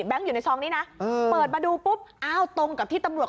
แบงค์อยู่ในซองต์นี้เปิดมาดูปุ้บ